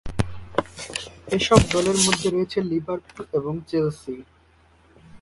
এসব দলের মধ্যে রয়েছে লিভারপুল এবং চেলসি।